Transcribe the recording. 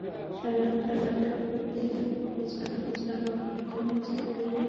সায়কঃ সপদি জীবহারকঃ king পুনর্হি গরলেন লেপিতঃ?